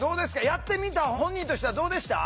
やってみた本人としてはどうでした？